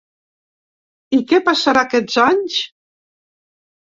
I que passarà aquests anys?